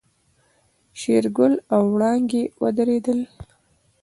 شېرګل او وړانګې ودرېدل.